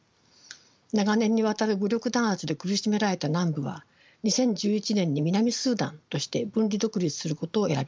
長年にわたる武力弾圧で苦しめられた南部は２０１１年に南スーダンとして分離独立することを選びました。